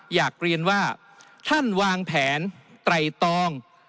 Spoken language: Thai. อยากเรียนว่าท่านวางแผนไตรตอง